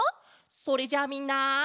それじゃあみんな。